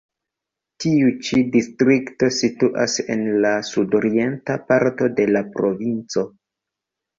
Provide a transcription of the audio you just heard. Tiu ĉi distrikto situas en la sudorienta parto de la provinco.